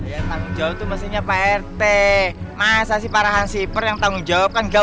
ya tanggung jawab tuh pastinya pak rt masa sih parahan shipper yang tanggung jawab kan nggak